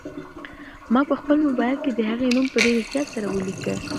ما په خپل موبایل کې د هغې نوم په ډېر احتیاط سره ولیکه.